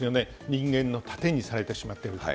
人間の盾にされてしまっていると。